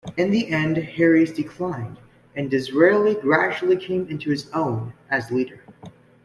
In the end Herries declined, and Disraeli gradually came into his own as leader.